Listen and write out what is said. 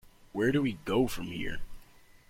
Where Do We Go from Here?